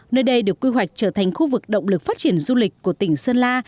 nơi đây được quy hoạch trở thành khu vực động lực phát triển du lịch của tỉnh sơn la